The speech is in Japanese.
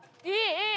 いい！